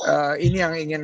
ehh ini yang ingin